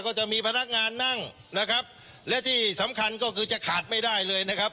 ก็จะมีพนักงานนั่งนะครับและที่สำคัญก็คือจะขาดไม่ได้เลยนะครับ